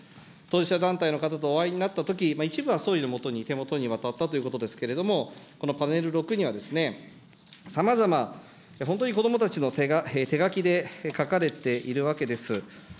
当事者団体の方とお会いになったとき、一部は総理のもとに手元に渡ったということですけれども、このパネル６には、さまざま、本当にこどもたちの手書きで書かれているわけです。